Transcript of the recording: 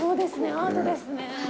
アートですね。